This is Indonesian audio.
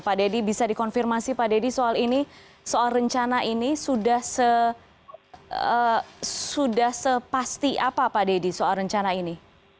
pak deddy bisa dikonfirmasi pak deddy soal ini soal rencana ini sudah sepasti apa pak deddy soal rencana ini